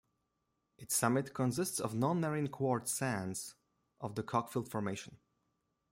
Its summit consists of nonmarine quartz sands of the Cockfield Formation.